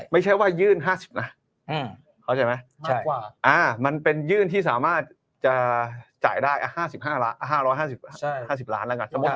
ไม่ใช่ว่ายื่น๕๐นะเข้าใจไหมมันเป็นยื่นที่สามารถจะจ่ายได้๕๕๐ล้านแล้วกัน